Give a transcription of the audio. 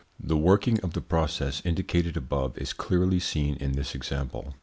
The working of the process indicated above is clearly seen in this example.